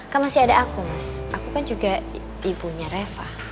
kan masih ada aku mas aku kan juga ibunya reva